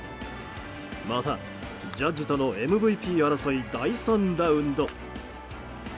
また、ジャッジとのＭＶＰ争い第３ラウンド。